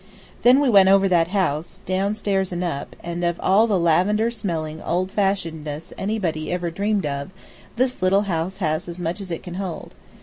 Then we went over that house, down stairs and up, and of all the lavender smelling old fashionedness anybody ever dreamed of, this little house has as much as it can hold.